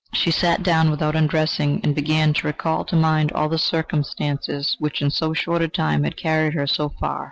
She sat down without undressing, and began to recall to mind all the circumstances which in so short a time had carried her so far.